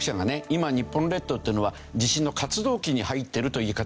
今日本列島っていうのは地震の活動期に入ってるという言い方してますね。